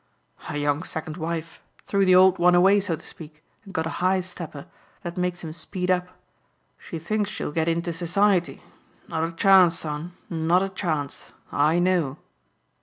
"A young second wife. Threw the old one away, so to speak, and got a high stepper that makes him speed up. She thinks she will get into society. Not a chance, son, not a chance. I know."